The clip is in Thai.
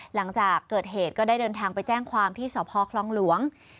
หลังจากเกิดเหตุก็ได้เดินทางไปแจ้งความที่สพคลองหลวง